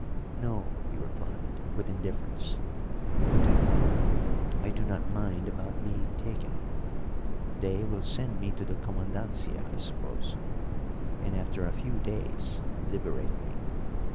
"No," he replied, with indifference. "But, do you know, I do not mind about being taken. They will send me to the comandancia, I suppose, and after a few days liberate me.